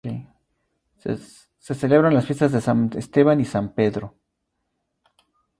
Se celebran las fiestas de San Esteban y San Pedro.